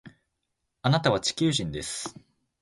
あなたは地球人です